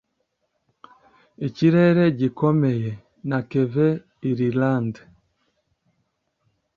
ikirere gikomeye. na kevin irilande